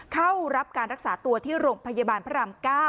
เข้ารับการรักษาตัวที่โรงพยาบาลพระราม๙